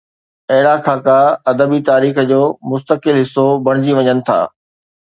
اهڙا خاڪا ادبي تاريخ جو مستقل حصو بڻجي وڃن ٿا.